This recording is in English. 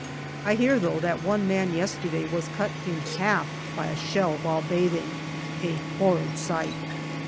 I hear, though, that one man yesterday was cut in half by a shell while bathing. A horrid sight